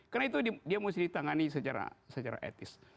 karena itu dia mesti ditangani secara etis